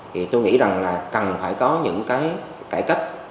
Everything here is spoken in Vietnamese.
thì tôi nghĩ rằng là cần phải có những cái cải cách